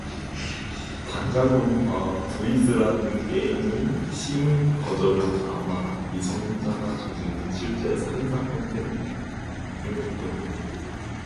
단간론파 브이쓰리라는 게임의 심의 거절은 아마 미성년자가 저지른 실제 살인사건 때문일 거예요.